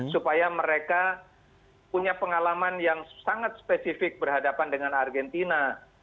supaya mereka punya pengalaman yang sangat spesifik berhadapan dengan argentina